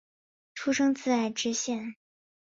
出身自爱知县。